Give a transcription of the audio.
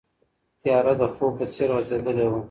تیاره د خوب په څېر غځېدلې وه.